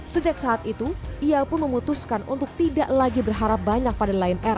sejak saat itu ia pun memutuskan untuk tidak lagi berharap banyak pada lion air